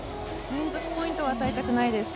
連続ポイントは与えたくないです。